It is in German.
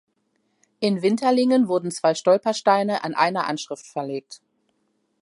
In Winterlingen wurden zwei Stolpersteine an einer Anschrift verlegt.